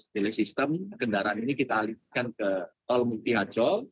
daily system kendaraan ini kita alihkan ke tol mutihajol